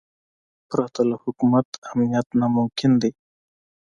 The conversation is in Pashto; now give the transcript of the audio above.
پرته له حکومت امنیت ناممکن دی.